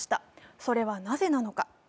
それはなぜなのか。